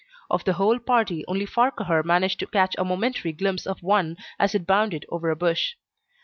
Of the whole party, only Farquhar managed to catch a momentary glimpse of one as it bounded over a bush.